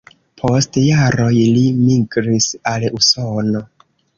Post jaroj li migris al Usono.